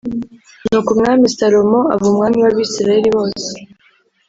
Nuko Umwami Salomo aba umwami w’Abisirayeli bose